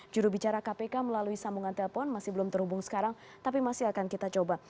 jurubicara kpk melalui sambungan telpon masih belum terhubung sekarang tapi masih akan kita coba